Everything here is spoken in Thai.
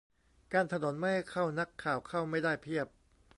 กั้นถนนไม่ให้เข้า นักข่าวเข้าไม่ได้เพียบ !